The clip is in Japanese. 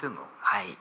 はい。